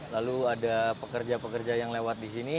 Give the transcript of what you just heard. lalu ada pekerja pekerja yang lewat di sini